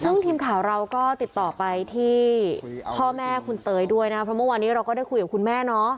ซึ่งทีมข่าวเราก็ติดต่อไปที่พ่อแม่คุณเตยด้วยนะครับเพราะเมื่อวานนี้เราก็ได้คุยกับคุณแม่เนาะ